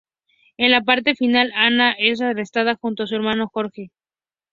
En la parte final Ana es arrestada junto a su hermano Jorge.